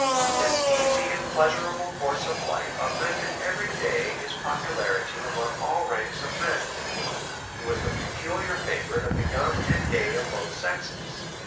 This easy and pleasurable course of life augmented every day his popularity among all ranks of men: he was the peculiar favorite of the young and gay of both sexes.